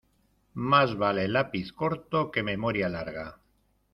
Más vale lápiz corto que memoria larga.